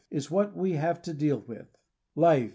— is what we have to deal with. Life